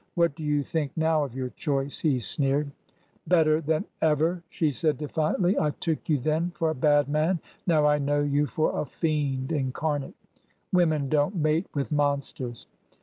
'' What do you think now of your choice?." he sneered. '' Better than ever !" she said defiantly. '' I took you then for a bad man. Now I know you for a fiend incar» nate! Women don't mate with monsters!"